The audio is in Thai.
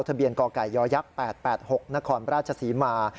ทะเบียนกไก่ย๘๘๖นครราชศรีมา